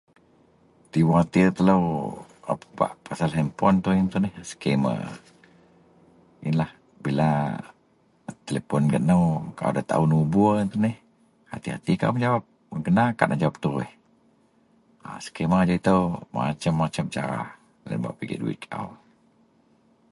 Diwatir telo pasel hanpon ito iyen tuneh skamma bila telepon gak nou kaau da taau nobor iyen tuneh hati-hati kaau mejawap mun kena nda nejawap terus skamma ajau ito masem-masem cara bak pijek duwit kaau.